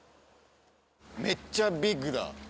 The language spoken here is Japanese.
めっちゃビッグだ。